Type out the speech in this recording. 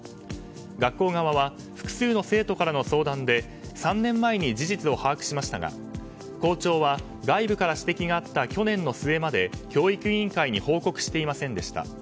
学校側は複数の生徒からの相談で３年前に事実を把握しましたが校長は、外部から指摘があった去年の末まで教育委員会に報告していませんでした。